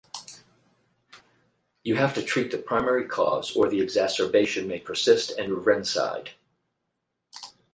You have to treat the primary cause or the exacerbation may persisist and reincide.